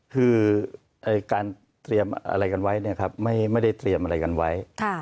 คือการเตรียมอะไรกันไว้ไม่ได้เตรียมอะไรกันไว้